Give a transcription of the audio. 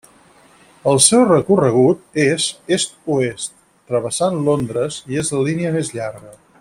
El seu recorregut és est-oest travessant Londres, i és la línia més llarga.